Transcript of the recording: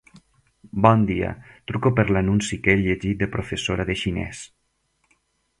Bon dia, truco per l'anunci que he llegit de professora de xinès.